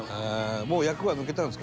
もう役は抜けたんですか？